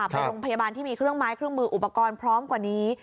ไปโรงพยาบาลที่มีเครื่องไม้เครื่องมืออุปกรณ์พร้อมกว่านี้